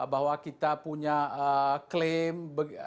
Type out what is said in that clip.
bahwa kita punya claim